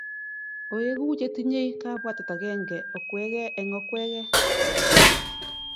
Oegu che tinyei kabwatet agenge okwege eng' okwege.